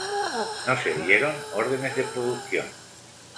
No se dieron órdenes de producción.